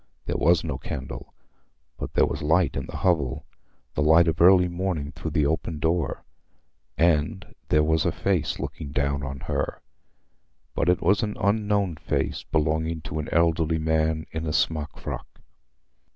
There was no candle, but there was light in the hovel—the light of early morning through the open door. And there was a face looking down on her; but it was an unknown face, belonging to an elderly man in a smock frock.